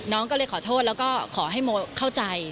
น้องก็เลยขอโทษแล้วก็ขอให้โมเข้าใจ